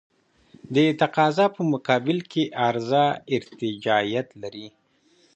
د تقاضا په مقابل کې عرضه ارتجاعیت لري.